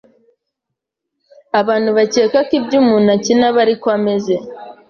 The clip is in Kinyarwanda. abantu bakeka ko ibyo umuntu akina aba ari ko ameze.